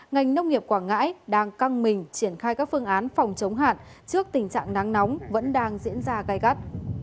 ngành nông nghiệp quảng ngãi đang căng mình triển khai các phương án phòng chống hạn trước tình trạng nắng nóng vẫn đang diễn ra gai gắt